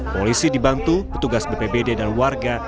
polisi dibantu petugas bpbd dan warga